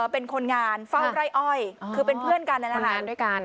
เป็นคนงานเฝ้าไร่อ้อยคือเป็นเพื่อนกันด้วยกัน